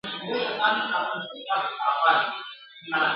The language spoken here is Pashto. حاجي مریم اکا پخوا په موشک کارېز کي اوسېدلی وو.